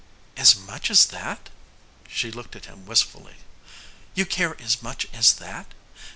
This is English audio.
"As much as that?" She looked at him wistfully. "You care as much as that?